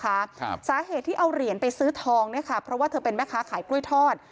ครับสาเหตุที่เอาเหรียญไปซื้อทองเนี้ยค่ะเพราะว่าเธอเป็นแม่ค้าขายกล้วยทอด